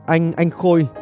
anh anh khôi